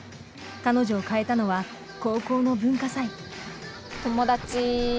彼女を変えたのは高校の文化祭。